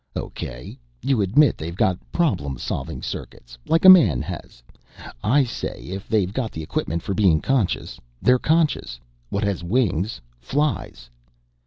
"Okay, you admit they've got problem solving circuits like a man has. I say if they've got the equipment for being conscious, they're conscious. What has wings, flies."